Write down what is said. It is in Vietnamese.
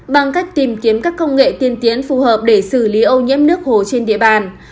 bằng cách tìm kiếm các công nghệ tiên tiến phù hợp để xử lý ô nhiễm nước hồ trên địa bàn